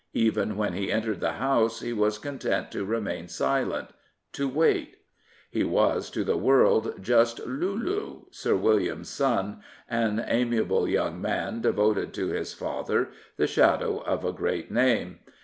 Even when he entered the House he was content to remain silent — ^to wait. He was, to the world, just " Lulu," Sir William's son, an amiable young man devoted to his father, the shadow of a great name.